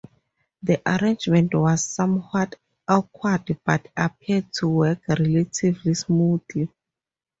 The arrangement was somewhat awkward but appeared to work relatively smoothly.